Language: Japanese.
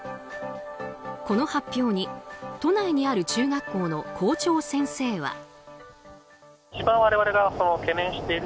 この発表に都内にある中学校の校長先生は。